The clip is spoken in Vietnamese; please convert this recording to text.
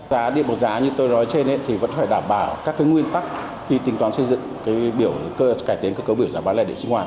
giá điện một giá như tôi nói trên thì vẫn phải đảm bảo các nguyên tắc khi tính toán xây dựng cải tiến cơ cấu biểu giá bán lẻ điện sinh hoạt